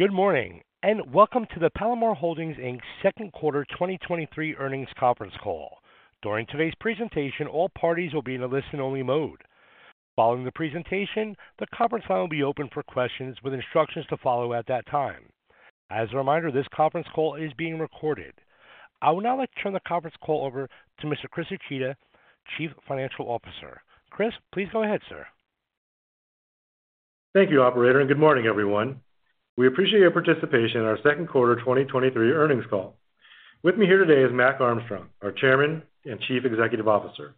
Good morning, and welcome to the Palomar Holdings Inc. Second Quarter 2023 Earnings Conference Call. During today's presentation, all parties will be in a listen-only mode. Following the presentation, the conference line will be open for questions with instructions to follow at that time. As a reminder, this conference call is being recorded. I would now like to turn the conference call over to Mr. Chris Uchida, Chief Financial Officer. Chris, please go ahead, sir. Thank you, operator. Good morning, everyone. We appreciate your participation in our Second Quarter 2023 Earnings Call. With me here today is Mac Armstrong, our Chairman and Chief Executive Officer.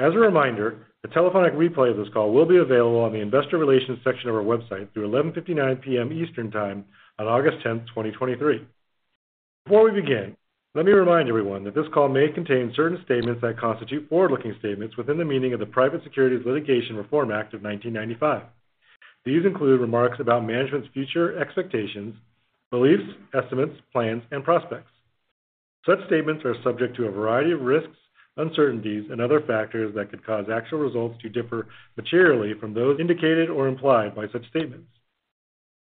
As a reminder, the telephonic replay of this call will be available on the Investor Relations section of our website through 11:59 P.M. Eastern Time on August 10th, 2023. Before we begin, let me remind everyone that this call may contain certain statements that constitute forward-looking statements within the meaning of the Private Securities Litigation Reform Act of 1995. These include remarks about management's future expectations, beliefs, estimates, plans, and prospects. Such statements are subject to a variety of risks, uncertainties, and other factors that could cause actual results to differ materially from those indicated or implied by such statements.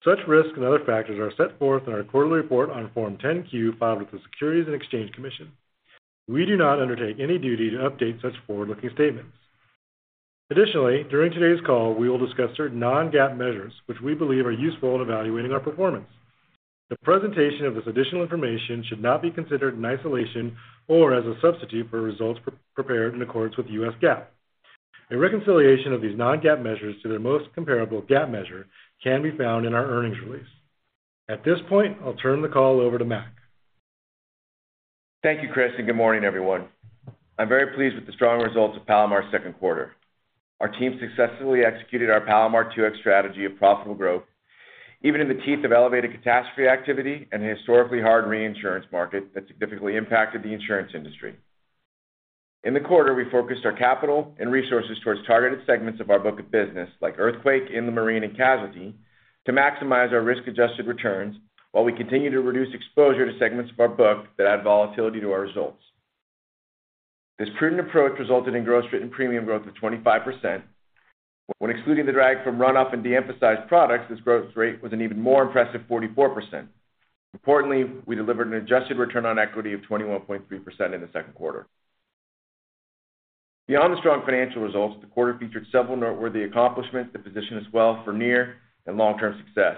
Such risks and other factors are set forth in our quarterly report on Form 10-Q, filed with the Securities and Exchange Commission. We do not undertake any duty to update such forward-looking statements. Additionally, during today's call, we will discuss certain non-GAAP measures, which we believe are useful in evaluating our performance. The presentation of this additional information should not be considered in isolation or as a substitute for results prepared in accordance with U.S. GAAP. A reconciliation of these non-GAAP measures to their most comparable GAAP measure can be found in our earnings release. At this point, I'll turn the call over to Mac. Thank you, Chris, and good morning, everyone. I'm very pleased with the strong results of Palomar's second quarter. Our team successfully executed our Palomar 2X strategy of profitable growth, even in the teeth of elevated catastrophe activity and a historically hard reinsurance market that significantly impacted the insurance industry. In the quarter, we focused our capital and resources towards targeted segments of our book of business, like earthquake, Inland Marine, and Casualty, to maximize our risk-adjusted returns, while we continue to reduce exposure to segments of our book that add volatility to our results. This prudent approach resulted in gross written premium growth of 25%. When excluding the drag from run-off and de-emphasized products, this growth rate was an even more impressive 44%. Importantly, we delivered an adjusted return on equity of 21.3% in the second quarter. Beyond the strong financial results, the quarter featured several noteworthy accomplishments that position us well for near and long-term success.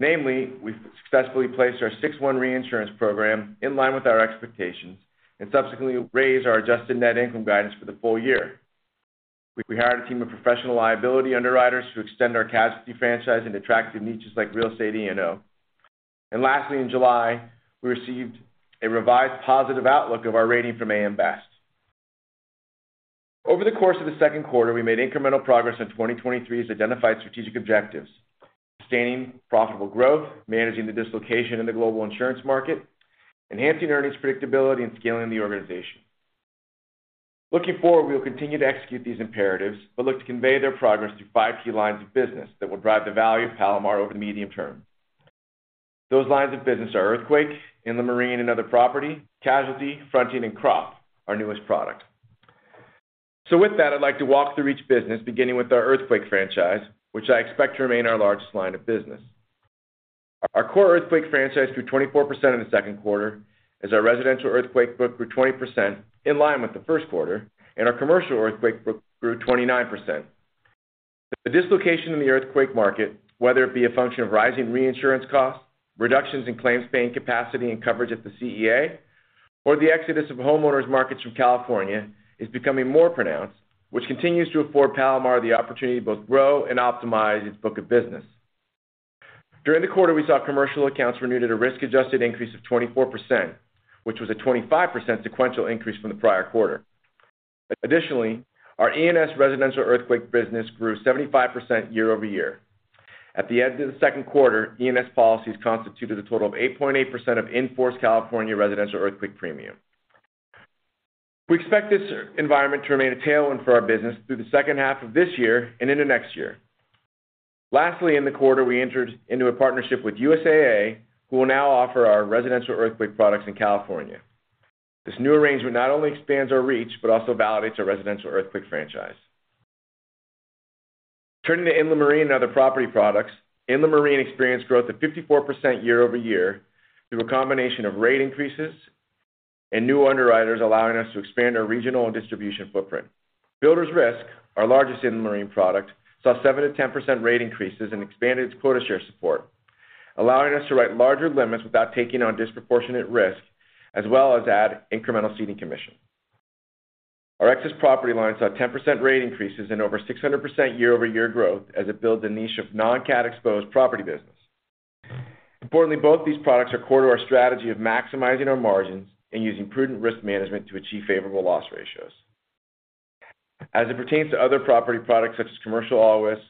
Namely, we've successfully placed our 6/1 reinsurance program in line with our expectations and subsequently raised our adjusted net income guidance for the full year. We hired a team of professional liability underwriters to extend our Casualty franchise into attractive niches like Real Estate E&O. Lastly, in July, we received a revised positive outlook of our rating from A.M. Best. Over the course of the second quarter, we made incremental progress on 2023's identified strategic objectives, sustaining profitable growth, managing the dislocation in the global insurance market, enhancing earnings predictability, and scaling the organization. Looking forward, we will continue to execute these imperatives, but look to convey their progress through five key lines of business that will drive the value of Palomar over the medium term. Those lines of business are earthquake, Inland Marine and other property, Casualty, fronting, and crop, our newest product. With that, I'd like to walk through each business, beginning with our earthquake franchise, which I expect to remain our largest line of business. Our core earthquake franchise grew 24% in the second quarter, as our residential earthquake book grew 20% in line with the first quarter, and our commercial earthquake book grew 29%. The dislocation in the earthquake market, whether it be a function of rising reinsurance costs, reductions in claims-paying capacity and coverage at the CEA, or the exodus of homeowners markets from California, is becoming more pronounced, which continues to afford Palomar the opportunity to both grow and optimize its book of business. During the quarter, we saw commercial accounts renewed at a risk-adjusted increase of 24%, which was a 25% sequential increase from the prior quarter. Additionally, our E&S residential earthquake business grew 75% year-over-year. At the end of the second quarter, E&S policies constituted a total of 8.8% of in-force California residential earthquake premium. We expect this environment to remain a tailwind for our business through the second half of this year and into next year. Lastly, in the quarter, we entered into a partnership with USAA, who will now offer our residential earthquake products in California. This new arrangement not only expands our reach, but also validates our residential earthquake franchise. Turning to Inland Marine and other property products, Inland Marine experienced growth of 54% year-over-year through a combination of rate increases and new underwriters, allowing us to expand our regional and distribution footprint. Builders risk, our largest Inland Marine product, saw 7%-10% rate increases and expanded its quota share support, allowing us to write larger limits without taking on disproportionate risk, as well as add incremental ceding commission. Our excess property line saw 10% rate increases and over 600% year-over-year growth as it built a niche of non-cat exposed property business. Importantly, both these products are core to our strategy of maximizing our margins and using prudent risk management to achieve favorable loss ratios. As it pertains to other property products, such as commercial all risk,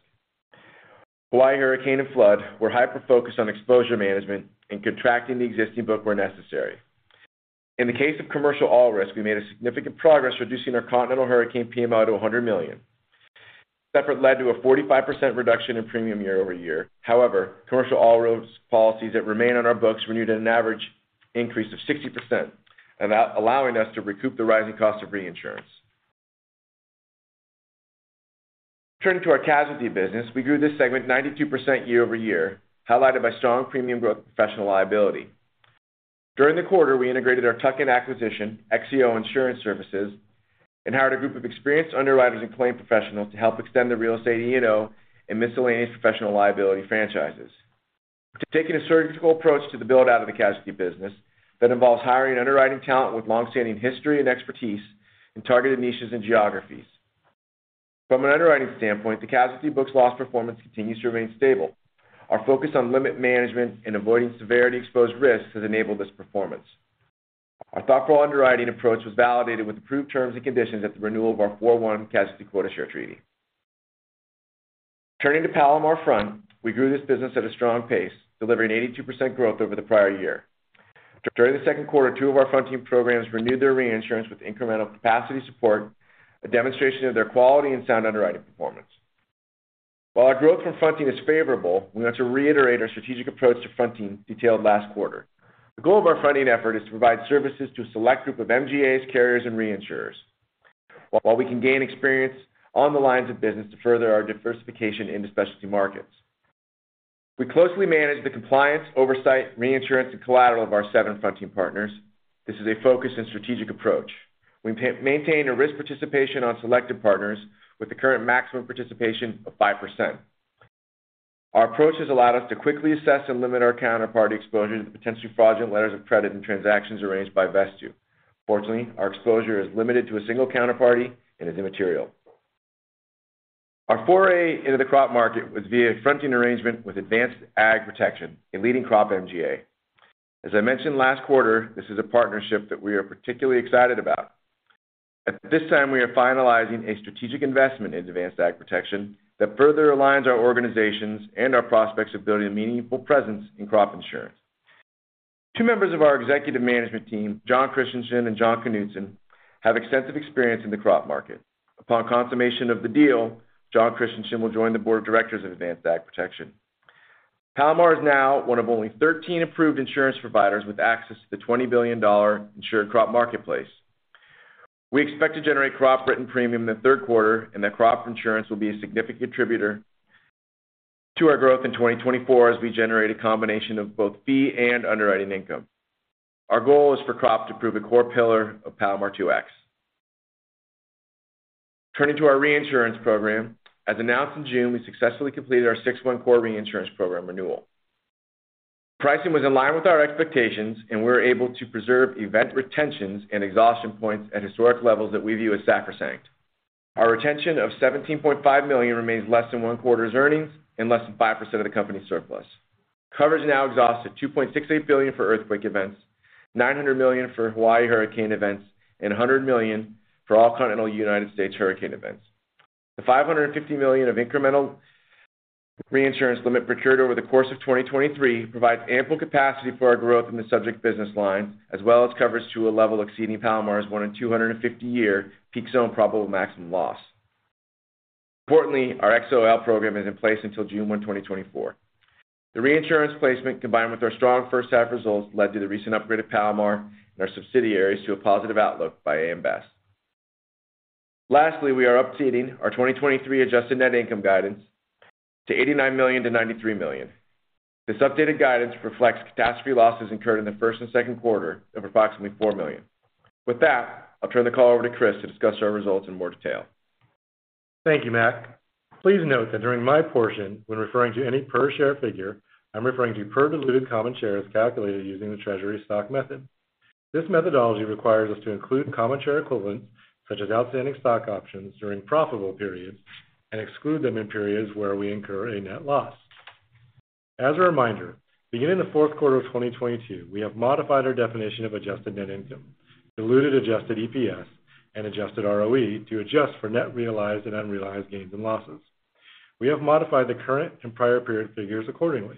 flying hurricane, and flood, we're hyper-focused on exposure management and contracting the existing book where necessary. In the case of commercial all risk, we made significant progress, reducing our continental hurricane PMO to $100 million. This effort led to a 45% reduction in premium year-over-year. However, commercial all risk policies that remain on our books renewed an average increase of 60%, that allowing us to recoup the rising cost of reinsurance. Turning to our Casualty business, we grew this segment 92% year-over-year, highlighted by strong premium growth professional liability. During the quarter, we integrated our tuck-in acquisition, XCO Insurance Services, and hired a group of experienced underwriters and claim professionals to help extend the Real Estate E&O and miscellaneous professional liability franchises. Taking a surgical approach to the build-out of the Casualty business that involves hiring underwriting talent with long-standing history and expertise in targeted niches and geographies. From an underwriting standpoint, the Casualty book's loss performance continues to remain stable. Our focus on limit management and avoiding severity exposed risks has enabled this performance. Our thoughtful underwriting approach was validated with approved terms and conditions at the renewal of our 4/1 Casualty quota share treaty. Turning to Palomar Front, we grew this business at a strong pace, delivering 82% growth over the prior year. During the second quarter, two of our fronting programs renewed their reinsurance with incremental capacity support, a demonstration of their quality and sound underwriting performance. While our growth from fronting is favorable, we want to reiterate our strategic approach to fronting detailed last quarter. The goal of our fronting effort is to provide services to a select group of MGAs, carriers, and reinsurers. While we can gain experience on the lines of business to further our diversification into specialty markets. We closely manage the compliance, oversight, reinsurance, and collateral of our seven fronting partners. This is a focus and strategic approach. We maintain a risk participation on selected partners with the current maximum participation of 5%. Our approach has allowed us to quickly assess and limit our counterparty exposure to potentially fraudulent letters of credit and transactions arranged by Vesttoo. Fortunately, our exposure is limited to a single counterparty and is immaterial. Our foray into the crop market was via a fronting arrangement with Advanced AgProtection, a leading crop MGA. As I mentioned last quarter, this is a partnership that we are particularly excited about. At this time, we are finalizing a strategic investment in Advanced AgProtection that further aligns our organizations and our prospects of building a meaningful presence in crop insurance. Two members of our executive management team, John Christensen and John Knudsen, have extensive experience in the crop market. Upon confirmation of the deal, John Christensen will join the board of directors of Advanced AgProtection. Palomar is now one of only 13 approved insurance providers with access to the $20 billion insured crop marketplace. We expect to generate crop written premium in the third quarter, and that crop insurance will be a significant contributor to our growth in 2024 as we generate a combination of both fee and underwriting income. Our goal is for crop to prove a core pillar of Palomar 2X. Turning to our reinsurance program. As announced in June, we successfully completed our 6/1 core reinsurance program renewal. Pricing was in line with our expectations, and we were able to preserve event retentions and exhaustion points at historic levels that we view as sacrosanct. Our retention of $17.5 million remains less than one quarter's earnings and less than 5% of the company's surplus. Coverage is now exhausted, $2.68 billion for earthquake events, $900 million for Hawaii hurricane events, and $100 million for all continental United States hurricane events. The $550 million of incremental reinsurance limit procured over the course of 2023 provides ample capacity for our growth in the subject business line, as well as coverage to a level exceeding Palomar's more than 250-year peak zone probable maximum loss. Importantly, our XOL program is in place until June 1, 2024. The reinsurance placement, combined with our strong first half results, led to the recent upgrade of Palomar and our subsidiaries to a positive outlook by A.M. Best. Lastly, we are upseating our 2023 adjusted net income guidance to $89 million-$93 million. This updated guidance reflects catastrophe losses incurred in the first and second quarter of approximately $4 million. With that, I'll turn the call over to Chris to discuss our results in more detail. Thank you, Mac. Please note that during my portion, when referring to any per share figure, I'm referring to per diluted common shares calculated using the treasury stock method. This methodology requires us to include common share equivalents, such as outstanding stock options, during profitable periods and exclude them in periods where we incur a net loss. As a reminder, beginning the fourth quarter of 2022, we have modified our definition of adjusted net income, diluted adjusted EPS, and adjusted ROE to adjust for net realized and unrealized gains and losses. We have modified the current and prior period figures accordingly.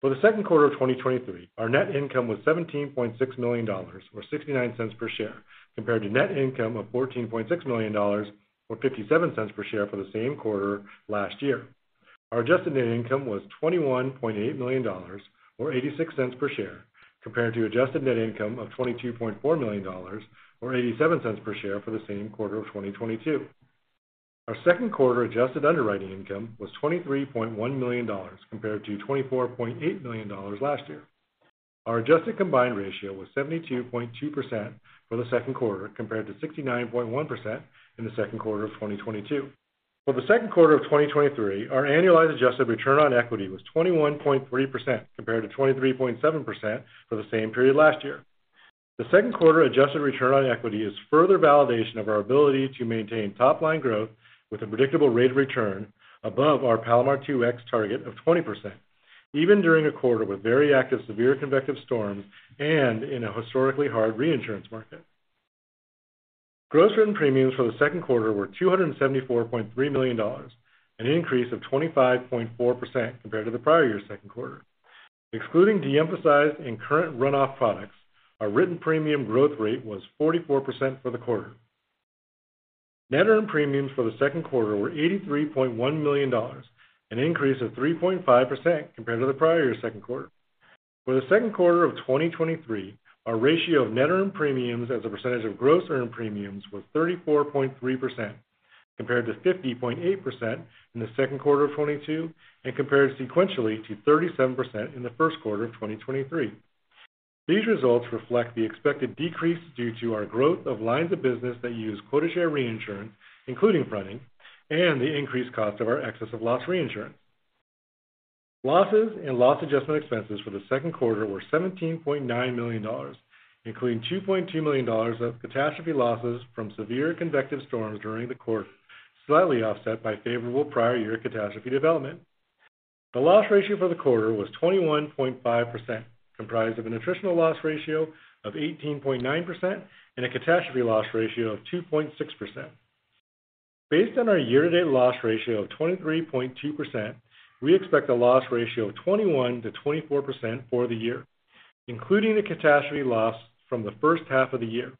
For the second quarter of 2023, our net income was $17.6 million, or $0.69 per share, compared to net income of $14.6 million, or $0.57 per share for the same quarter last year. Our adjusted net income was $21.8 million, or $0.86 per share, compared to adjusted net income of $22.4 million, or $0.87 per share for the same quarter of 2022. Our second quarter adjusted underwriting income was $23.1 million, compared to $24.8 million last year. Our adjusted combined ratio was 72.2% for the second quarter, compared to 69.1% in the second quarter of 2022. For the second quarter of 2023, our annualized adjusted return on equity was 21.3%, compared to 23.7% for the same period last year. The second quarter adjusted return on equity is further validation of our ability to maintain top-line growth with a predictable rate of return above our Palomar 2X target of 20%, even during a quarter with very active, severe convective storms and in a historically hard reinsurance market. Gross written premiums for the second quarter were $274.3 million, an increase of 25.4% compared to the prior year's second quarter. Excluding de-emphasized and current run-off products, our written premium growth rate was 44% for the quarter. Net earned premiums for the second quarter were $83.1 million, an increase of 3.5% compared to the prior year's second quarter. For the second quarter of 2023, our ratio of net earned premiums as a percentage of gross earned premiums was 34.3%, compared to 50.8% in the second quarter of 2022, compared sequentially to 37% in the first quarter of 2023. These results reflect the expected decrease due to our growth of lines of business that use quota share reinsurance, including fronting, and the increased cost of our excess of loss reinsurance. Losses and loss adjustment expenses for the second quarter were $17.9 million, including $2.2 million of catastrophe losses from severe convective storms during the quarter, slightly offset by favorable prior year catastrophe development. The loss ratio for the quarter was 21.5%, comprised of an attritional loss ratio of 18.9% and a catastrophe loss ratio of 2.6%. Based on our year-to-date loss ratio of 23.2%, we expect a loss ratio of 21%-24% for the year, including the catastrophe loss from the first half of the year.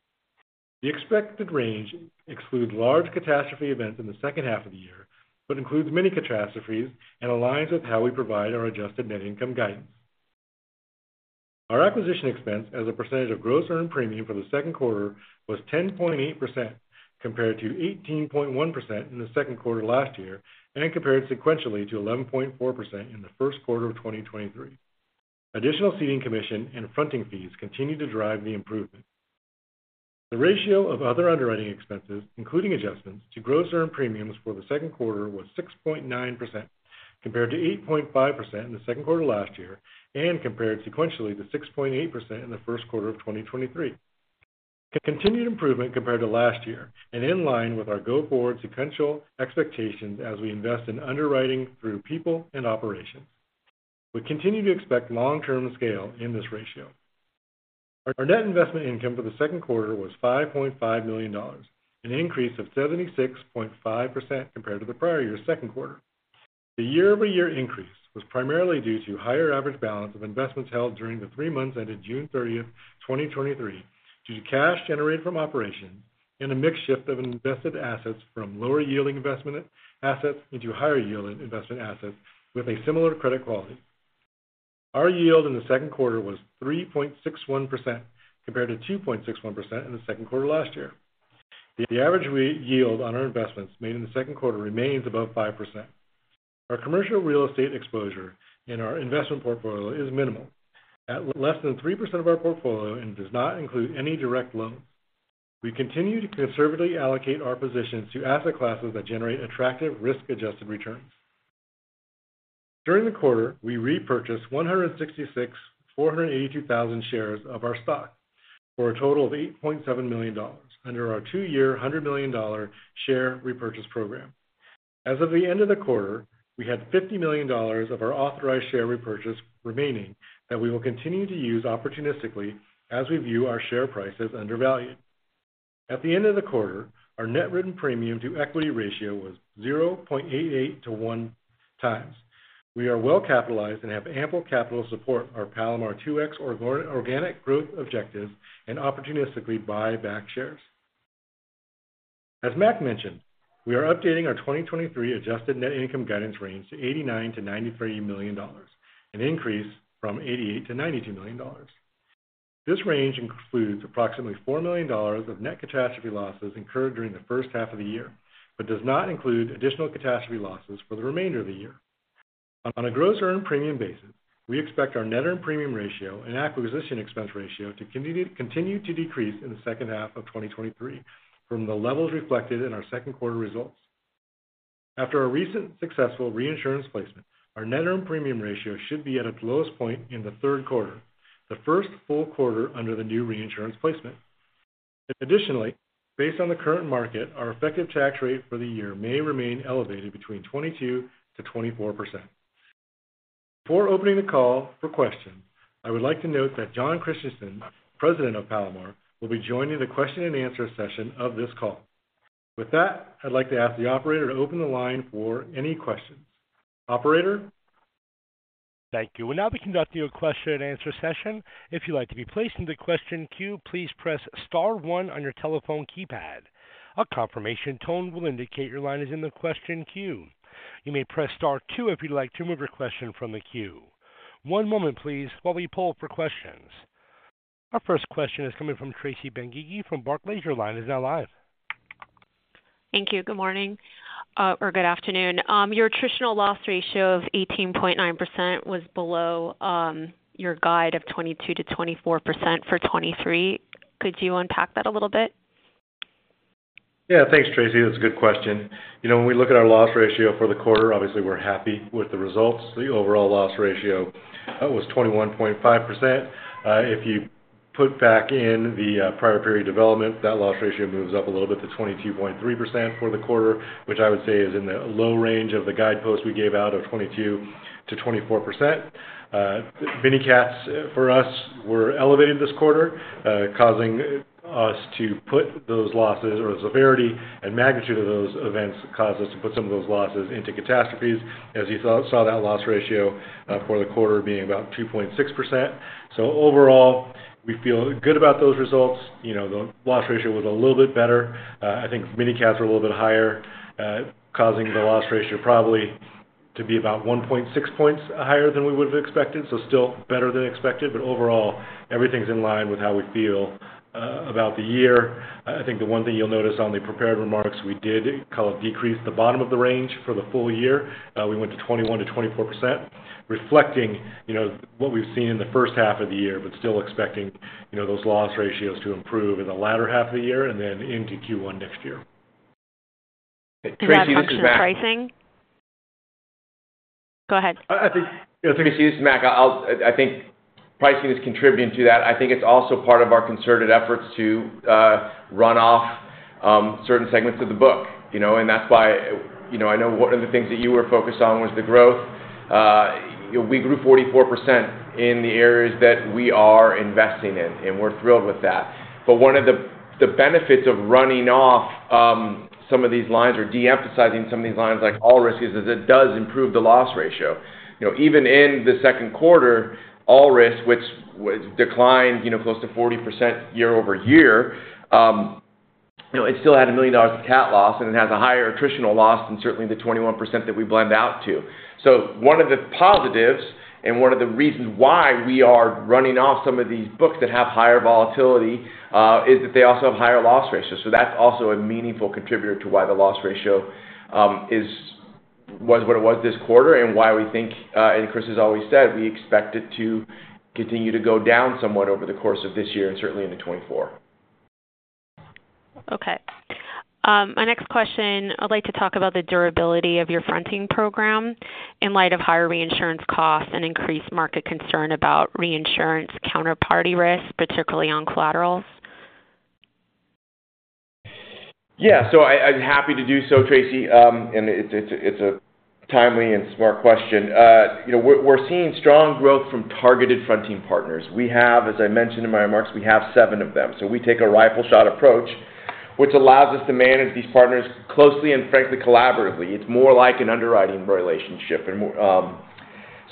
The expected range excludes large catastrophe events in the second half of the year, but includes many catastrophes and aligns with how we provide our adjusted net income guidance. Our acquisition expense as a percentage of gross earned premium for the second quarter was 10.8%, compared to 18.1% in the second quarter last year, and compared sequentially to 11.4% in the first quarter of 2023. Additional ceding commission and fronting fees continued to drive the improvement. The ratio of other underwriting expenses, including adjustments to gross earned premiums for the second quarter, was 6.9%, compared to 8.5% in the second quarter last year, compared sequentially to 6.8% in the first quarter of 2023. Continued improvement compared to last year and in line with our go-forward sequential expectations as we invest in underwriting through people and operations. We continue to expect long-term scale in this ratio. Our net investment income for the second quarter was $5.5 million, an increase of 76.5% compared to the prior year's second quarter. The year-over-year increase was primarily due to higher average balance of investments held during the three months ended June 30, 2023, due to cash generated from operations and a mix shift of invested assets from lower yielding investment assets into higher yielding investment assets with a similar credit quality. Our yield in the second quarter was 3.61%, compared to 2.61% in the second quarter last year. The average yield on our investments made in the second quarter remains above 5%. Our commercial real estate exposure in our investment portfolio is minimal, at less than 3% of our portfolio and does not include any direct loans. We continue to conservatively allocate our positions to asset classes that generate attractive risk-adjusted returns. During the quarter, we repurchased 166,482 shares of our stock for a total of $8.7 million under our two-year, $100 million share repurchase program. As of the end of the quarter, we had $50 million of our authorized share repurchase remaining, that we will continue to use opportunistically as we view our share price as undervalued. At the end of the quarter, our net written premium to equity ratio was 0.88-1 times. We are well capitalized and have ample capital to support our Palomar 2X organic growth objectives and opportunistically buy back shares. As Mac mentioned, we are updating our 2023 adjusted net income guidance range to $89 million-$93 million, an increase from $88 million-$92 million. This range includes approximately $4 million of net catastrophe losses incurred during the first half of the year, but does not include additional catastrophe losses for the remainder of the year. On a gross earned premium basis, we expect our net earned premium ratio and acquisition expense ratio to continue, continue to decrease in the second half of 2023 from the levels reflected in our second quarter results. After our recent successful reinsurance placement, our net earned premium ratio should be at its lowest point in the third quarter, the first full quarter under the new reinsurance placement. Based on the current market, our effective tax rate for the year may remain elevated between 22%-24%. Before opening the call for questions, I would like to note that John Christensen, President of Palomar, will be joining the question and answer session of this call. With that, I'd like to ask the operator to open the line for any questions. Operator? Thank you. We'll now be conducting a question and answer session. If you'd like to be placed into the question queue, please press star one on your telephone keypad. A confirmation tone will indicate your line is in the question queue. You may press star two if you'd like to remove your question from the queue. One moment please, while we pull for questions. Our first question is coming from Tracy Benguigui from Barclays. Your line is now live. Thank you. Good morning, or good afternoon. Your attritional loss ratio of 18.9% was below, your guide of 22%-24% for 2023. Could you unpack that a little bit? Yeah, thanks, Tracy. That's a good question. You know, when we look at our loss ratio for the quarter, obviously we're happy with the results. The overall loss ratio was 21.5%. If you put back in the prior period development, that loss ratio moves up a little bit to 22.3% for the quarter, which I would say is in the low range of the guidepost we gave out of 22%-24%. Mini cats for us were elevated this quarter, causing us to put those losses or the severity and magnitude of those events caused us to put some of those losses into catastrophes. As you saw, saw that loss ratio for the quarter being about 2.6%. Overall, we feel good about those results. You know, the loss ratio was a little bit better. I think mini caps are a little bit higher, causing the loss ratio probably to be about 1.6 points higher than we would have expected. Still better than expected, but overall, everything's in line with how we feel about the year. I think the one thing you'll notice on the prepared remarks, we did call it decrease the bottom of the range for the full year. We went to 21%-24%, reflecting, you know, what we've seen in the first half of the year, but still expecting, you know, those loss ratios to improve in the latter half of the year and then into Q1 next year. Tracy, this is Mac- Go ahead. I think, Tracy, this is Mac. I think pricing is contributing to that. I think it's also part of our concerted efforts to run off certain segments of the book, you know, and that's why, you know, I know one of the things that you were focused on was the growth. We grew 44% in the areas that we are investing in, and we're thrilled with that. One of the, the benefits of running off some of these lines or de-emphasizing some of these lines, like all risks, is that it does improve the loss ratio. You know, even in the second quarter, all risk, which declined, you know, close to 40% year-over-year, you know, it still had a $1 million of cat loss, and it has a higher attritional loss than certainly the 21% that we blend out to. One of the positives and one of the reasons why we are running off some of these books that have higher volatility, is that they also have higher loss ratios. That's also a meaningful contributor to why the loss ratio was what it was this quarter, and why we think, and Chris has always said, we expect it to continue to go down somewhat over the course of this year and certainly into 2024. Okay. My next question, I'd like to talk about the durability of your fronting program in light of higher reinsurance costs and increased market concern about reinsurance counterparty risks, particularly on collaterals. Yeah. I, I'm happy to do so, Tracy. It's, it's a, it's a timely and smart question. You know, we're, we're seeing strong growth from targeted fronting partners. We have, as I mentioned in my remarks, we have seven of them. We take a rifle shot approach, which allows us to manage these partners closely and frankly, collaboratively. It's more like an underwriting relationship and more.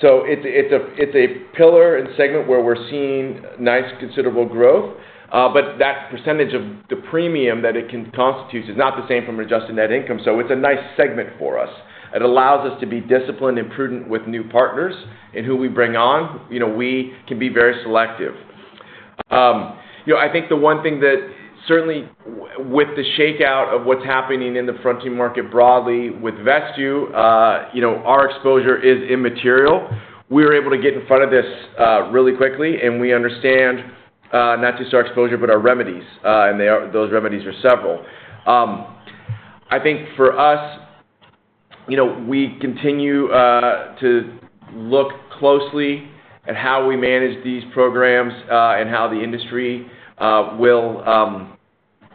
It's, it's a, it's a pillar and segment where we're seeing nice, considerable growth. That percentage of the premium that it can constitute is not the same from adjusted net income. It's a nice segment for us. It allows us to be disciplined and prudent with new partners and who we bring on. You know, we can be very selective. you know, I think the one thing that certainly with the shakeout of what's happening in the fronting market broadly with Vesttoo, you know, our exposure is immaterial. We were able to get in front of this really quickly, and we understand not just our exposure, but our remedies, and those remedies are several. I think for us, you know, we continue to look closely at how we manage these programs, and how the industry will,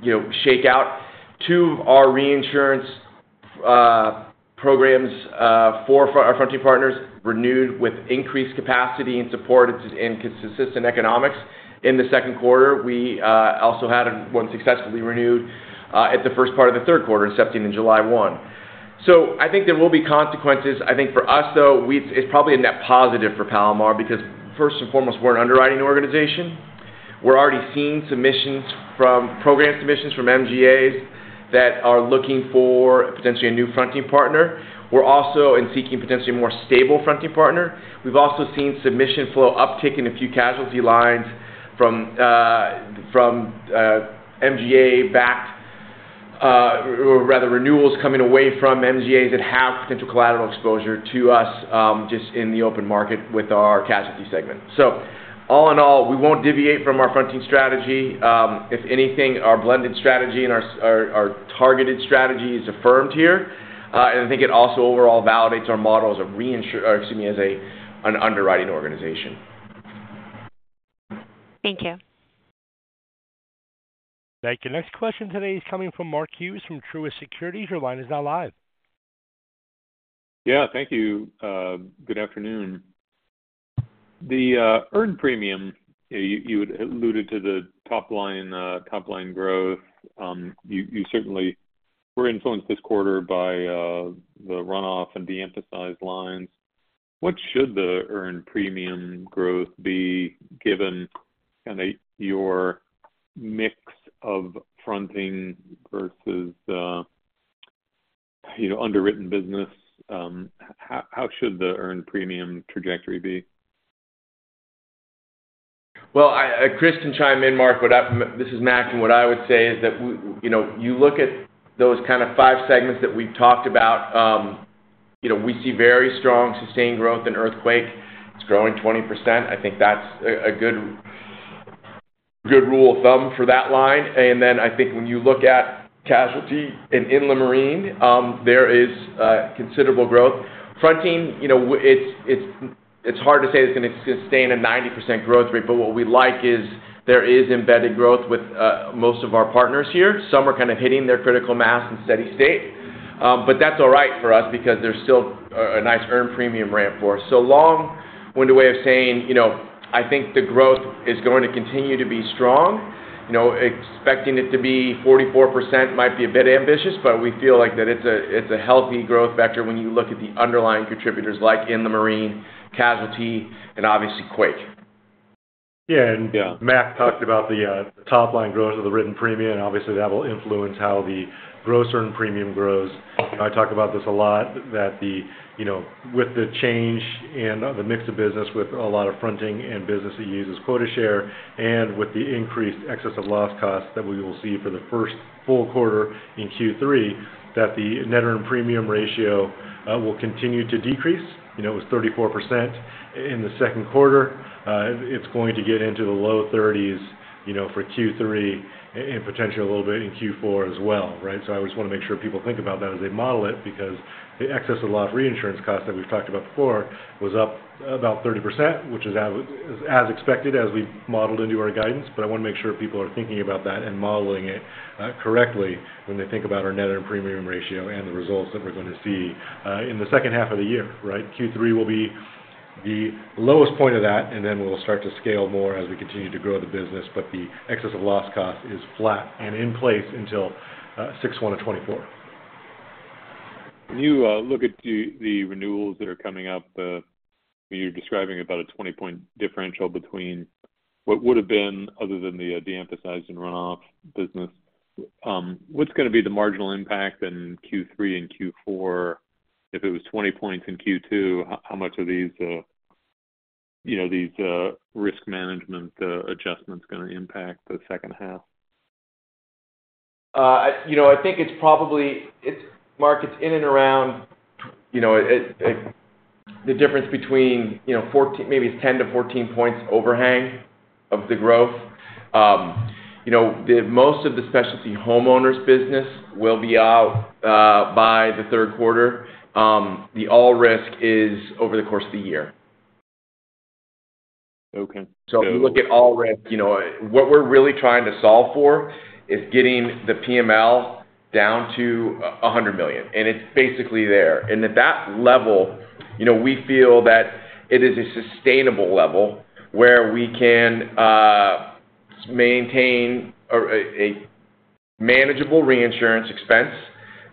you know, shake out. Two of our reinsurance programs, four of our fronting partners renewed with increased capacity and support and consistent economics in the second quarter. We also had one successfully renewed at the first part of the third quarter, accepting in July 1. I think there will be consequences. I think for us, though, it's probably a net positive for Palomar, because first and foremost, we're an underwriting organization. We're already seeing submissions from program submissions from MGAs that are looking for potentially a new fronting partner. We're also in seeking potentially a more stable fronting partner. We've also seen submission flow uptick in a few Casualty lines from, from MGA-backed, or rather, renewals coming away from MGAs that have potential collateral exposure to us, just in the open market with our Casualty segment. All in all, we won't deviate from our fronting strategy. If anything, our blended strategy and our targeted strategy is affirmed here. I think it also overall validates our model as a, an underwriting organization. Thank you. Thank you. Next question today is coming from Mark Hughes from Truist Securities. Your line is now live. Yeah, thank you. good afternoon. The, earned premium, you, you alluded to the top line, top line growth. You, you certainly were influenced this quarter by, the run-off and de-emphasized lines. What should the earned premium growth be given and that your mix of fronting versus, you know, underwritten business? How, how should the earned premium trajectory be? Well, I, Chris can chime in, Mark, but I... This is Mac, and what I would say is that you know, you look at those kind of five segments that we've talked about, you know, we see very strong, sustained growth in earthquake. It's growing 20%. I think that's a good, good rule of thumb for that line. Then I think when you look at Casualty and Inland Marine, there is considerable growth. Fronting, you know, it's, it's, it's hard to say it's going to sustain a 90% growth rate, but what we like is there is embedded growth with most of our partners here. Some are kind of hitting their critical mass in steady state. That's all right for us because there's still a nice earned premium ramp for us. long winded way of saying, you know, I think the growth is going to continue to be strong. you know, expecting it to be 44% might be a bit ambitious, but we feel like that it's a, it's a healthy growth vector when you look at the underlying contributors like Inland Marine, Casualty, and obviously quake. Yeah, and Mac talked about the top line growth of the written premium, and obviously that will influence how the gross written premium grows. I talk about this a lot, that the, you know, with the change in the mix of business, with a lot of fronting and business that uses quota share, and with the increased excess of loss costs that we will see for the first full quarter in Q3, that the net written premium ratio will continue to decrease. You know, it was 34% in the second quarter. It's going to get into the low 30s, you know, for Q3, and potentially a little bit in Q4 as well, right? I just wanna make sure people think about that as they model it, because the excess of loss reinsurance cost that we've talked about before, was up about 30%, which is as, as expected as we modeled into our guidance. I wanna make sure people are thinking about that and modeling it correctly when they think about our net and premium ratio and the results that we're gonna see in the second half of the year, right? Q3 will be the lowest point of that, and then we'll start to scale more as we continue to grow the business, but the excess of loss cost is flat and in place until 6/1 of 2024. When you look at the, the renewals that are coming up, you're describing about a 20-point differential between what would have been other than the de-emphasized and run-off business. What's gonna be the marginal impact in Q3 and Q4? If it was 20 points in Q2, how, how much are these, you know, these risk management adjustments gonna impact the second half? You know, I think it's probably markets in and around, you know, the difference between, you know, 14, maybe it's 10-14 points overhang of the growth. You know, the most of the specialty homeowners business will be out by the third quarter. You know, the all risk is over the course of the year. Okay. If you look at all risk, you know, what we're really trying to solve for is getting the PML down to $100 million, and it's basically there. At that level, you know, we feel that it is a sustainable level, where we can maintain a manageable reinsurance expense.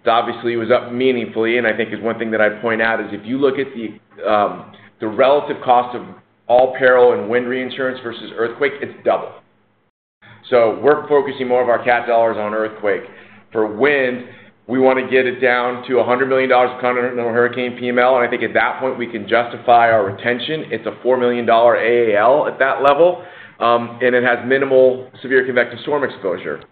It obviously was up meaningfully, I think is one thing that I'd point out, is if you look at the relative cost of all peril and wind reinsurance versus earthquake, it's 2x. We're focusing more of our cat dollars on earthquake. For wind, we want to get it down to $100 million of continental hurricane PML, and I think at that point, we can justify our retention. It's a $4 million AAL at that level, and it has minimal severe convective storm exposure.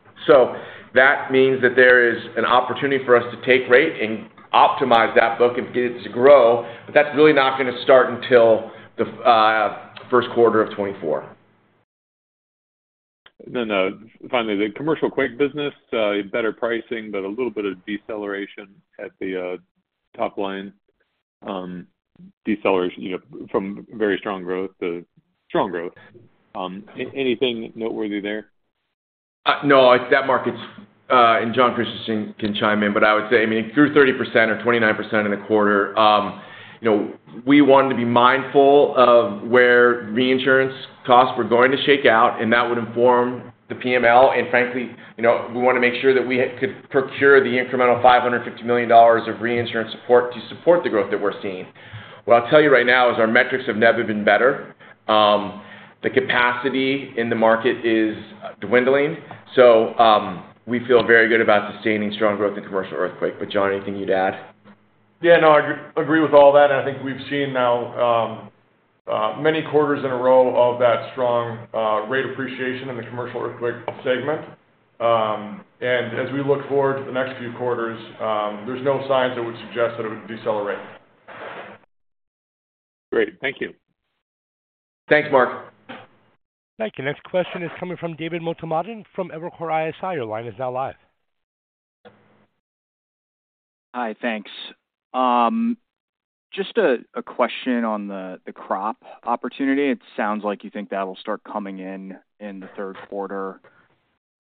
That means that there is an opportunity for us to take rate and optimize that book and get it to grow, but that's really not gonna start until the first quarter of 2024. Finally, the commercial Earthquake business, better pricing, but a little bit of deceleration at the top line, deceleration, you know, from very strong growth, strong growth. Anything noteworthy there? No, that market's, and John Christensen can chime in, but I would say, I mean, through 30% or 29% in a quarter, you know, we wanted to be mindful of where reinsurance costs were going to shake out, and that would inform the PML. Frankly, you know, we wanna make sure that we could procure the incremental $550 million of reinsurance support to support the growth that we're seeing. What I'll tell you right now is our metrics have never been better. The capacity in the market is dwindling, so, we feel very good about sustaining strong growth in commercial earthquake. John, anything you'd add? Yeah. No, I agree with all that, and I think we've seen now, many quarters in a row of that strong rate appreciation in the commercial earthquake segment. As we look forward to the next few quarters, there's no signs that would suggest that it would decelerate. Great. Thank you. Thanks, Mark. Thank you. Next question is coming from David Motemaden from Evercore ISI. Your line is now live. Hi, thanks. Just a question on the crop opportunity. It sounds like you think that'll start coming in in the third quarter.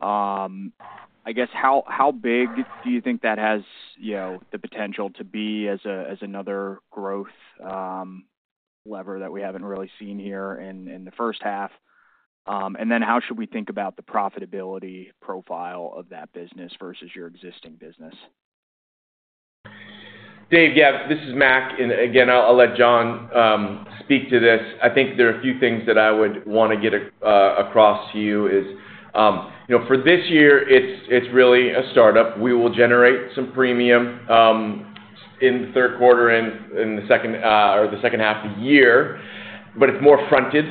I guess how big do you think that has, you know, the potential to be as another growth lever that we haven't really seen here in the first half? Then how should we think about the profitability profile of that business versus your existing business? Dave, yeah, this is Mac, and again, I'll, I'll let John speak to this. I think there are a few things that I would wanna get across to you is, you know, for this year, it's, it's really a startup. We will generate some premium in the third quarter and in the second, or the second half of the year, but it's more fronted,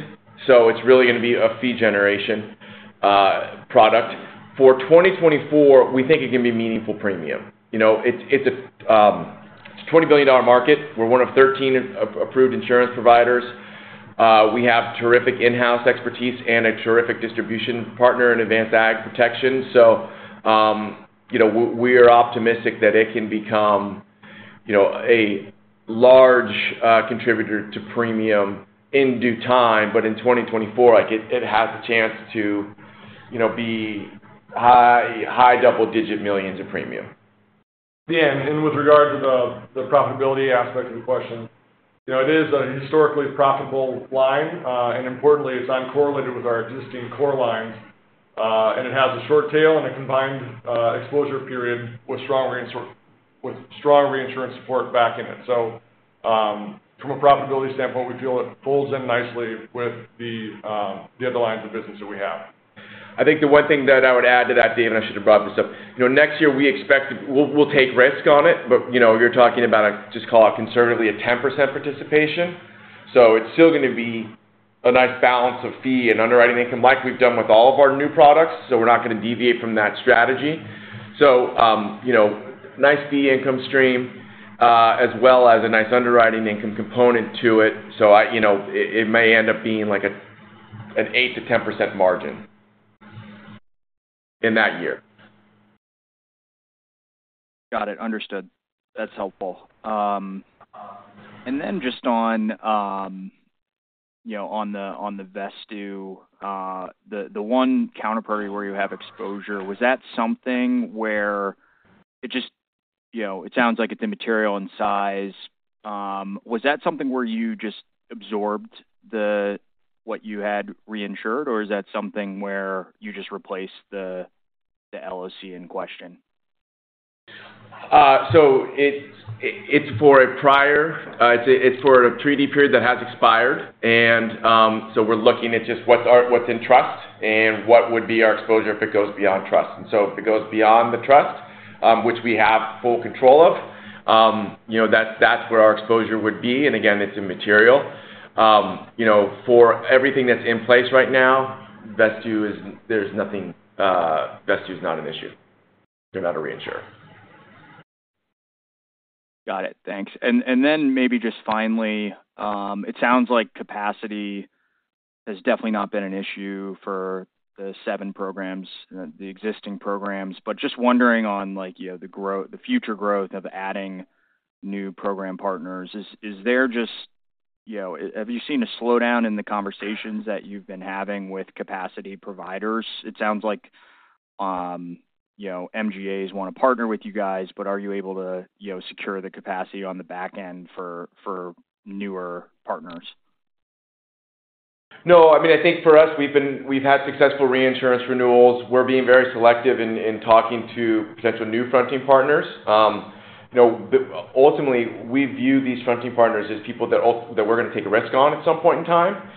so it's really gonna be a fee generation product. For 2024, we think it can be a meaningful premium. You know, it's, it's a $20 billion market. We're one of 13 approved insurance providers. We have terrific in-house expertise and a terrific distribution partner in Advanced AgProtection. You know, we are optimistic that it can become, you know, a large contributor to premium in due time, but in 2024, like, it, it has a chance to, you know, be high, high double-digit millions of premium. Yeah, with regard to the, the profitability aspect of the question, you know, it is a historically profitable line, and importantly, it's uncorrelated with our existing core lines. It has a short tail and a combined exposure period with strong reinsurance support backing it. From a profitability standpoint, we feel it pulls in nicely with the other lines of business that we have. I think the one thing that I would add to that, Dave, and I should have brought this up. You know, next year we expect we'll, we'll take risk on it, but, you know, you're talking about just call it conservatively, a 10% participation. It's still gonna be a nice balance of fee and underwriting income, like we've done with all of our new products, so we're not gonna deviate from that strategy. You know, nice fee income stream, as well as a nice underwriting income component to it. You know, it, it may end up being like an 8%-10% margin in that year. Got it. Understood. That's helpful. Then just on, you know, on the, on the Vesttoo, the, the one counterparty where you have exposure, was that something where it just... You know, it sounds like it's immaterial in size. Was that something where you just absorbed the, what you had reinsured, or is that something where you just replaced the, the LOC in question? It's, it's for a prior, it's for a treaty period that has expired. We're looking at just what's our-- what's in trust and what would be our exposure if it goes beyond trust. If it goes beyond the trust, which we have full control of, you know, that's, that's where our exposure would be, and again, it's immaterial. You know, for everything that's in place right now, Vesttoo is-- there's nothing. Vesttoo is not an issue. They're not a reinsurer. Got it. Thanks. Then maybe just finally, it sounds like capacity has definitely not been an issue for the seven programs, the existing programs, but just wondering on, like, you know, the future growth of adding new program partners. Is, is there just, you know, have you seen a slowdown in the conversations that you've been having with capacity providers? It sounds like, you know, MGAs want to partner with you guys, but are you able to, you know, secure the capacity on the back end for, for newer partners? No, I mean, I think for us, we've had successful reinsurance renewals. We're being very selective in, in talking to potential new fronting partners. You know, ultimately, we view these fronting partners as people that we're going to take a risk on at some point in time.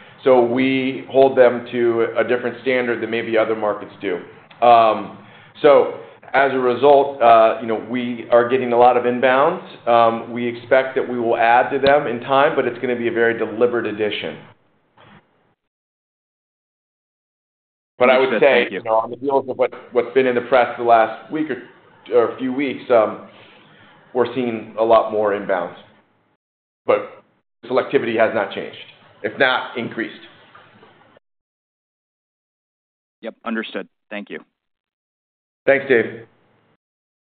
We hold them to a different standard than maybe other markets do. As a result, you know, we are getting a lot of inbounds. We expect that we will add to them in time, but it's going to be a very deliberate addition. I would say, you know, on the heels of what, what's been in the press the last week or, or a few weeks, we're seeing a lot more inbounds, but selectivity has not changed, if not increased. Yep, understood. Thank you. Thanks, Dave.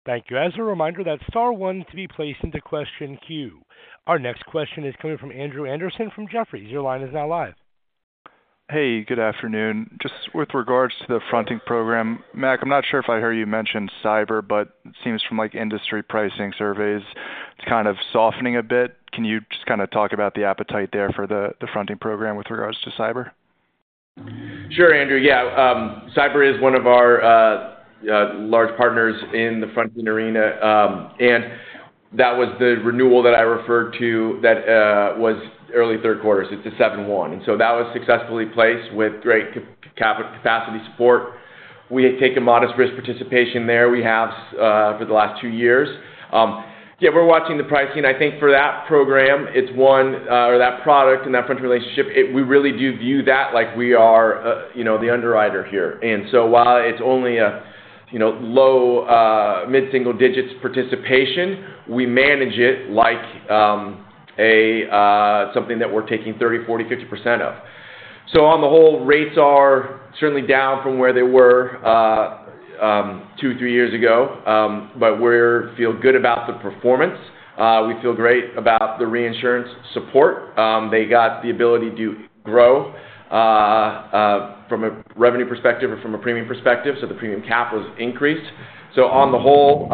Thank you. As a reminder, that's star 1 to be placed into question queue. Our next question is coming from Andrew Anderson from Jefferies. Your line is now live. Hey, good afternoon. Just with regards to the fronting program, Mac, I'm not sure if I heard you mention cyber, but it seems from, like, industry pricing surveys, it's kind of softening a bit. Can you just kind of talk about the appetite there for the, the fronting program with regards to cyber? Sure, Andrew. Yeah, cyber is one of our large partners in the fronting arena, and that was the renewal that I referred to that was early third quarter. It's a 7/1. That was successfully placed with great capacity support. We had taken modest risk participation there, we have for the last two years. Yeah, we're watching the pricing. I think for that program, it's one, or that product and that fronting relationship, we really do view that like we are, you know, the underwriter here. While it's only a, you know, low, mid-single digits participation, we manage it like something that we're taking 30%, 40%, 50% of. On the whole, rates are certainly down from where they were two, three years ago. We're feel good about the performance. We feel great about the reinsurance support. They got the ability to grow from a revenue perspective or from a premium perspective, the premium cap was increased. On the whole,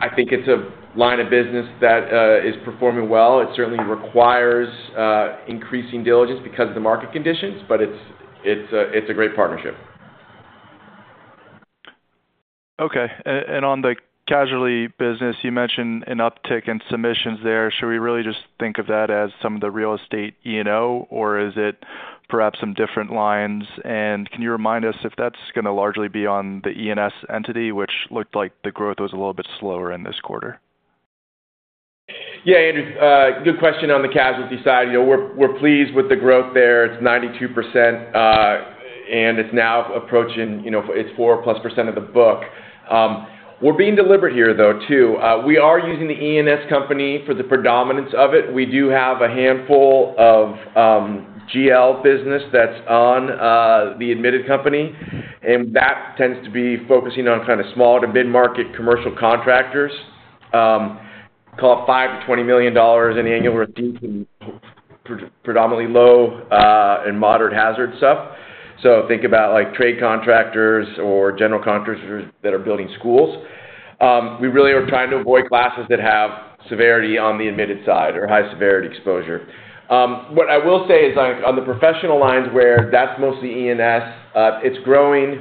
I think it's a line of business that is performing well. It certainly requires increasing diligence because of the market conditions, but it's, it's a, it's a great partnership. Okay. On the Casualty business, you mentioned an uptick in submissions there. Should we really just think of that as some of the Real Estate E&O, or is it perhaps some different lines? Can you remind us if that's going to largely be on the E&S entity, which looked like the growth was a little bit slower in this quarter? Yeah, Andrew, good question on the Casualty side. You know, we're, we're pleased with the growth there. It's 92%, and it's now approaching, you know, it's 4%+ of the book. We're being deliberate here, though, too. We are using the E&S company for the predominance of it. We do have a handful of GL business that's on the admitted company, and that tends to be focusing on kind of small to mid-market commercial contractors. Call it $5 million-$20 million in annual repeat and pre-predominantly low and moderate hazard stuff. So think about like trade contractors or general contractors that are building schools. We really are trying to avoid classes that have severity on the admitted side or high severity exposure. What I will say is on, on the professional lines, where that's mostly ENS, it's growing,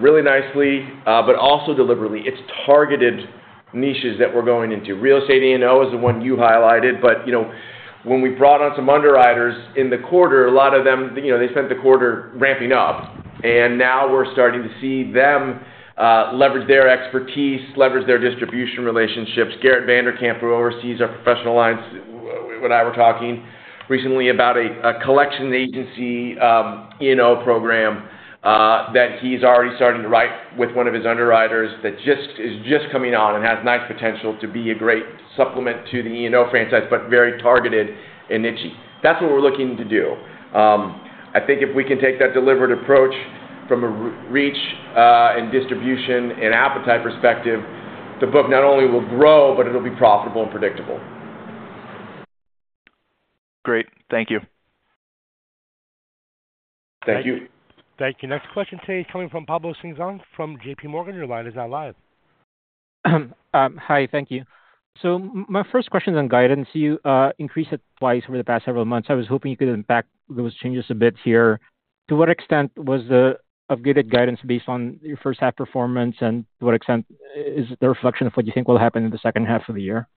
really nicely, but also deliberately. It's targeted niches that we're going into. Real Estate E&O is the one you highlighted, but, you know, when we brought on some underwriters in the quarter, a lot of them, you know, they spent the quarter ramping up, and now we're starting to see them leverage their expertise, leverage their distribution relationships. Garrett Vande Kamp, who oversees our professional alliance, when I were talking recently about a, a collection agency E&O program that he's already starting to write with one of his underwriters that is just coming on and has nice potential to be a great supplement to the E&O franchise, but very targeted and niche. That's what we're looking to do. I think if we can take that deliberate approach from a re- reach, and distribution and appetite perspective, the book not only will grow, but it'll be profitable and predictable. Great. Thank you. Thank you. Thank you. Next question today is coming from Pablo Singzon from JPMorgan. Your line is now live. Hi, thank you. My first question is on guidance. You increased it twice over the past several months. I was hoping you could unpack those changes a bit here. To what extent was the upgraded guidance based on your first half performance, and to what extent is it a reflection of what you think will happen in the second half of the year?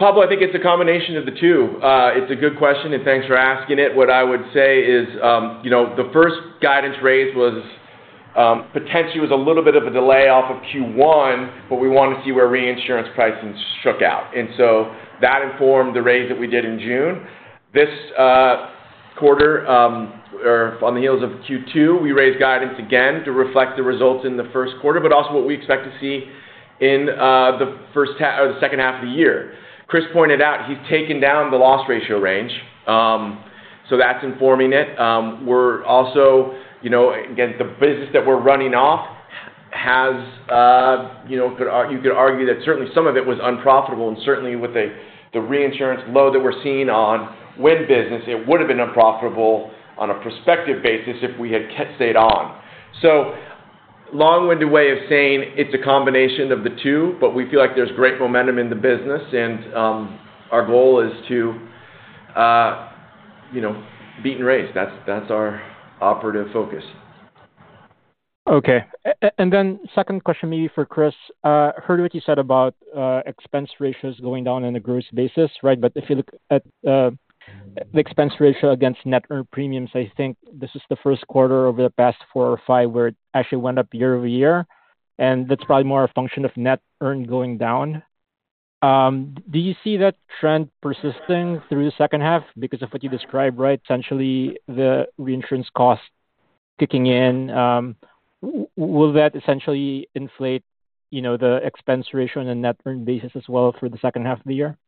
Pablo, I think it's a combination of the two. It's a good question, and thanks for asking it. What I would say is, you know, the first guidance raise was potentially was a little bit of a delay off of Q1, but we wanted to see where reinsurance pricing shook out. That informed the raise that we did in June. This quarter, or on the heels of Q2, we raised guidance again to reflect the results in the first quarter, but also what we expect to see in the first half-- the second half of the year. Chris pointed out he's taken down the loss ratio range. That's informing it. We're also, you know, again, the business that we're running off has, you know, could you could argue that certainly some of it was unprofitable, and certainly with the, the reinsurance load that we're seeing on web business, it would have been unprofitable on a prospective basis if we had kept stayed on. Long-winded way of saying it's a combination of the two, but we feel like there's great momentum in the business. Our goal is to, you know, beat and raise. That's, that's our operative focus. Okay. Second question, maybe for Chris. Heard what you said about expense ratios going down on a gross basis, right? If you look at the expense ratio against net earned premiums, I think this is the first quarter over the past four or five where it actually went up year-over-year, and that's probably more a function of net earned going down. Do you see that trend persisting through the second half because of what you described, right? Essentially, the reinsurance cost kicking in. Will that essentially inflate, you know, the expense ratio on a net earned basis as well, through the second half of the year?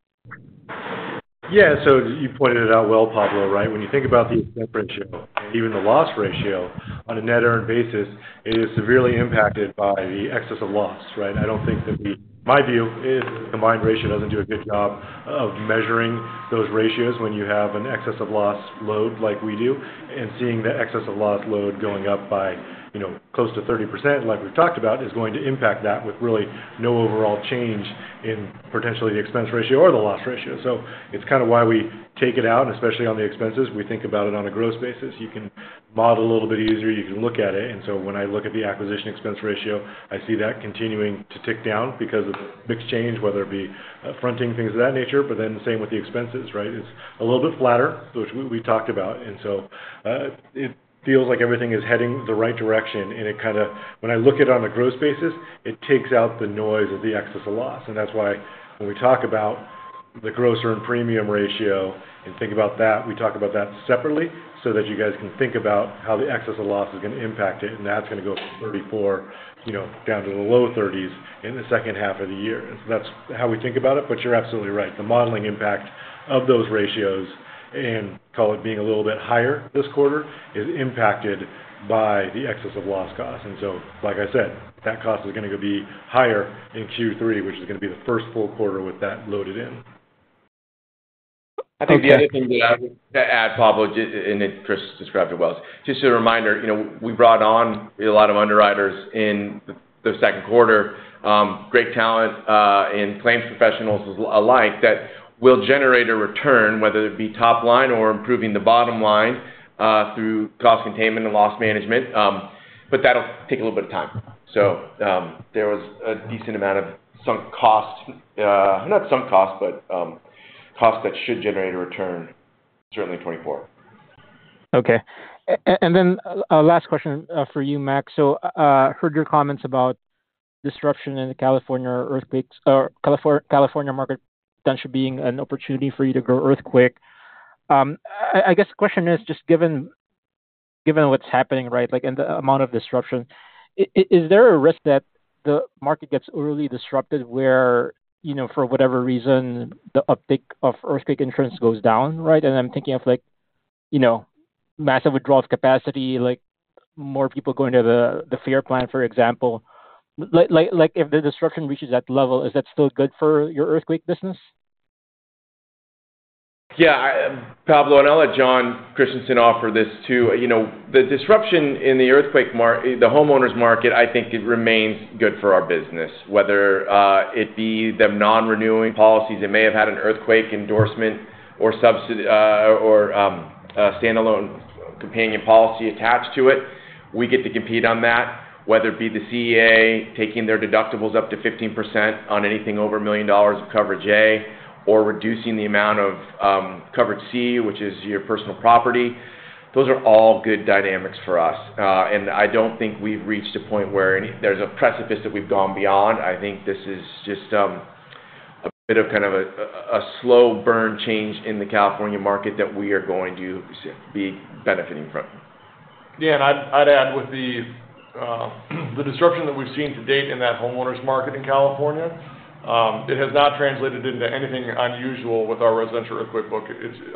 You pointed it out well, Pablo, right? When you think about the ratio, even the loss ratio on a net earned basis, it is severely impacted by the excess of loss, right? I don't think that my view is the combined ratio doesn't do a good job of measuring those ratios when you have an excess of loss load like we do, and seeing the excess of loss load going up by, you know, close to 30%, like we've talked about, is going to impact that with really no overall change in potentially the expense ratio or the loss ratio. It's kind of why we take it out, especially on the expenses. We think about it on a gross basis. You can model a little bit easier, you can look at it. When I look at the acquisition expense ratio, I see that continuing to tick down because of the mix change, whether it be fronting, things of that nature, but then the same with the expenses, right? It's a little bit flatter, which we've talked about, it feels like everything is heading the right direction. When I look at it on a gross basis, it takes out the noise of the excess of loss. That's why when we talk about the gross earn premium ratio and think about that, we talk about that separately, so that you guys can think about how the excess of loss is going to impact it, and that's going to go from 34, you know, down to the low 30s in the second half of the year. That's how we think about it, but you're absolutely right. The modeling impact of those ratios, and call it being a little bit higher this quarter, is impacted by the excess of loss costs. Like I said, that cost is going to be higher in Q3, which is going to be the first full quarter with that loaded in. I think the only thing that I would add, Pablo, just. Chris described it well. Just a reminder, you know, we brought on a lot of underwriters in the second quarter, great talent, and claims professionals alike that will generate a return, whether it be top line or improving the bottom line, through cost containment and loss management. That'll take a little bit of time. There was a decent amount of sunk costs, not sunk costs, but costs that should generate a return, certainly 2024. Okay. Then last question, for you, Mac. Heard your comments about disruption in the California earthquakes or California market potentially being an opportunity for you to grow earthquake. I, I guess the question is just given, given what's happening, right, like, and the amount of disruption, is there a risk that the market gets overly disrupted where, you know, for whatever reason, the uptick of earthquake insurance goes down, right? I'm thinking of, like... you know, massive withdrawals capacity, like more people going to the, the FEAR plan, for example. Like if the disruption reaches that level, is that still good for your earthquake business? Yeah, I, Pablo, and I'll let John Christensen offer this too. You know, the disruption in the earthquake market, the homeowners market, I think it remains good for our business, whether it be the non-renewing policies that may have had an earthquake endorsement or subsidy or a standalone companion policy attached to it. We get to compete on that, whether it be the CEA taking their deductibles up to 15% on anything over $1 million of coverage A, or reducing the amount of covered C, which is your personal property. Those are all good dynamics for us. I don't think we've reached a point where any there's a precipice that we've gone beyond. I think this is just a bit of kind of a, a slow burn change in the California market that we are going to be benefiting from. Yeah, I'd, I'd add with the disruption that we've seen to date in that homeowners market in California, it has not translated into anything unusual with our residential Earthquake book.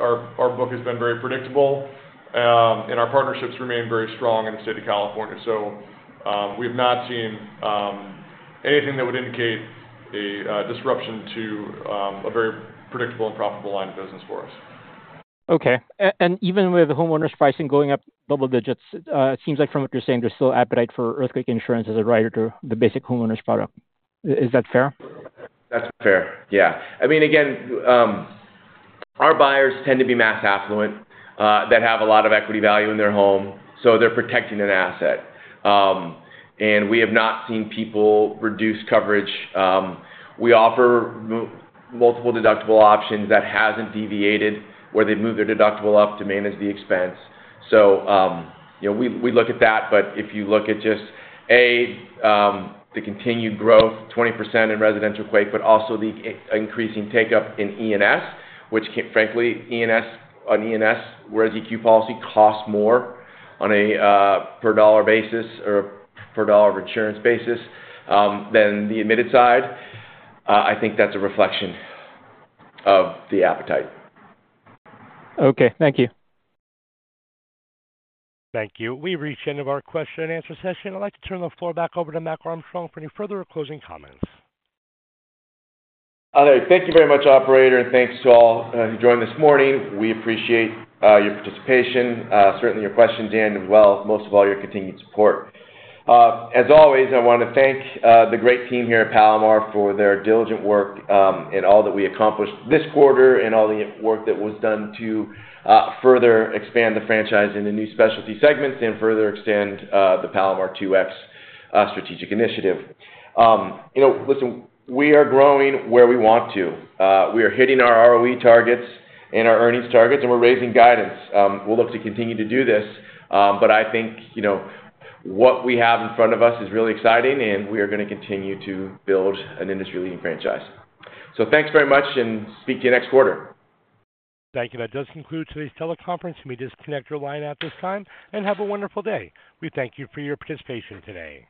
Our, our book has been very predictable, and our partnerships remain very strong in the state of California. We've not seen anything that would indicate a disruption to a very predictable and profitable line of business for us. Okay. Even with the homeowners pricing going up double digits, it seems like from what you're saying, there's still appetite for earthquake insurance as a rider to the basic homeowners product. Is that fair? That's fair. Yeah. I mean, again, our buyers tend to be mass affluent that have a lot of equity value in their home, so they're protecting an asset. We have not seen people reduce coverage. We offer multiple deductible options that hasn't deviated, where they move their deductible up to manage the expense. You know, we, we look at that, but if you look at just the continued growth, 20% in residential earthquake, but also the increasing take-up in E&S, which frankly, E&S, on E&S, whereas earthquake policy costs more on a per dollar basis or per dollar of insurance basis than the admitted side. I think that's a reflection of the appetite. Okay, thank you. Thank you. We've reached the end of our question and answer session. I'd like to turn the floor back over to Mac Armstrong for any further closing comments. Thank you very much, operator, and thanks to all who joined this morning. We appreciate your participation, certainly your questions, and well, most of all, your continued support. As always, I want to thank the great team here at Palomar for their diligent work, and all that we accomplished this quarter, and all the work that was done to further expand the franchise in the new specialty segments and further extend the Palomar 2X strategic initiative. You know, listen, we are growing where we want to. We are hitting our ROE targets and our earnings targets, and we're raising guidance. We'll look to continue to do this, but I think, you know, what we have in front of us is really exciting, and we are gonna continue to build an industry-leading franchise. Thanks very much, and speak to you next quarter. Thank you. That does conclude today's teleconference. You may disconnect your line at this time, and have a wonderful day. We thank you for your participation today.